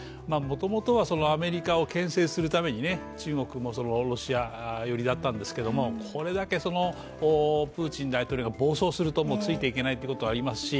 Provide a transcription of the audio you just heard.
もともとはアメリカを牽制するために中国もロシア寄りだったんですけれども、これだけプーチン大統領が暴走すると、もうついていけないということもあります